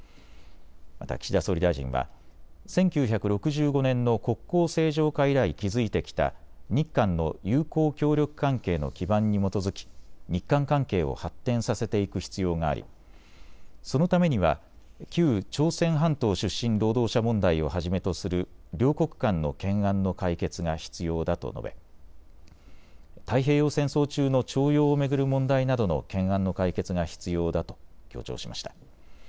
また岸田総理大臣は１９６５年の国交正常化以来築いてきた日韓の友好協力関係の基盤に基づき日韓関係を発展させていく必要があり、そのためには旧朝鮮半島出身労働者問題をはじめとする両国間の懸案の解決が必要だと述べ太平洋戦争中の徴用を巡る問題などの懸案の解決が必要だと強調しました。